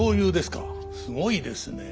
すごいですね。